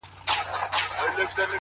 پر دې دُنیا سوځم پر هغه دُنیا هم سوځمه ـ